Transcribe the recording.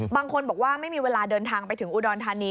บางคนบอกว่าไม่มีเวลาเดินทางไปถึงอุดรธานี